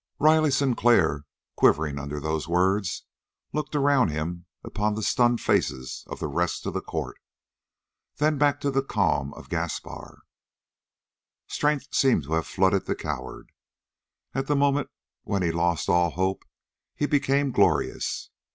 Riley Sinclair, quivering under those words, looked around him upon the stunned faces of the rest of the court; then back to the calm of Gaspar. Strength seemed to have flooded the coward. At the moment when he lost all hope, he became glorious.